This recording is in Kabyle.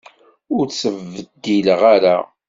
Ur ttebeddileɣ ara.